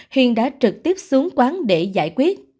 hiền đã trực tiếp xuống quán để giải quyết